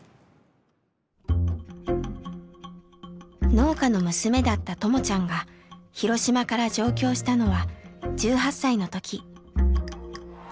農家の娘だったともちゃんが広島から上京したのは１８歳の時。